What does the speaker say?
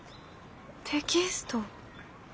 テキスト。